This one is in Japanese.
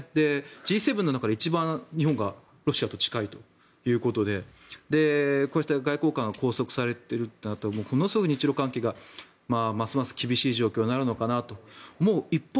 Ｇ７の中で一番日本がロシアと近いということでこうして外交官が拘束されると日ロ関係がますます厳しい状況になるのかなと。